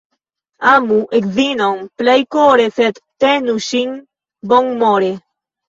Amu edzinon plej kore, sed tenu ŝin bonmore.